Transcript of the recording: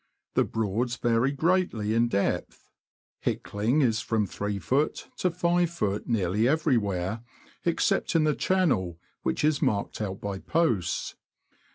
— The Broads vary greatly in depth. Hickling is from 3ft. to 5ft. nearly everywhere except in the channel, which is marked out by posts.